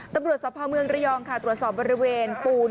ตำรวจสภเมืองระยองค่ะตรวจสอบบริเวณปูน